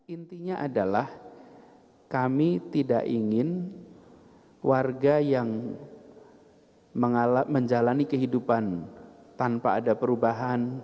intinya adalah kami tidak ingin warga yang menjalani kehidupan tanpa ada perubahan